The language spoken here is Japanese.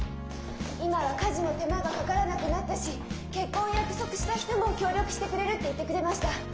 今は家事も手間がかからなくなったし結婚を約束した人も協力してくれるって言ってくれました。